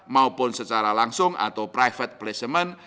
maupun secara langsung atau private placement